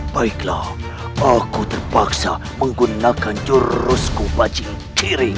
baiklah aku terpaksa menggunakan jurusku bajik tiring